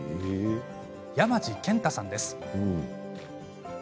山地健太さんです。